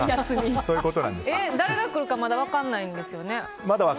誰が来るかまだ分からないんですよね。